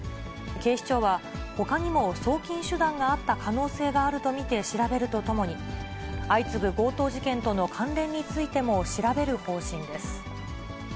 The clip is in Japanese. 警視庁はほかにも送金手段があった可能性があると見て調べるとともに、相次ぐ強盗事件との関連についても調べる方針です。